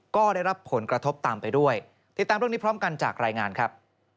ก็ได้รับผลกระทบตามไปด้วยติดตามเรื่องนี้พร้อมกันจากรายงานครับ